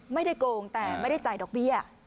ไม่ได้โกงแต่ไม่ได้จ่ายดอกเบี้ย